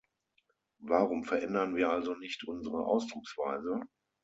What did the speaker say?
Warum verändern wir also nicht unsere Ausdrucksweise?